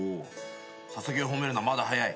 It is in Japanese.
佐々木を褒めるのはまだ早い。